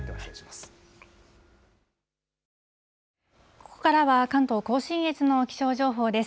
ここからは関東甲信越地方の気象情報です。